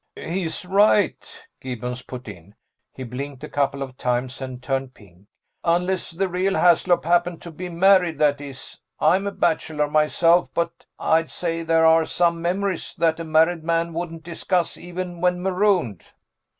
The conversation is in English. "He's right," Gibbons put in. He blinked a couple of times and turned pink. "Unless the real Haslop happened to be married, that is. I'm a bachelor myself, but I'd say there are some memories that a married man wouldn't discuss, even when marooned."